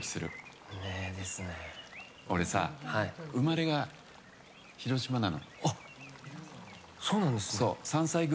俺さ、生まれが広島なの。